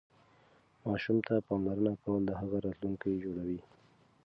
ماسوم ته پاملرنه کول د هغه راتلونکی جوړوي.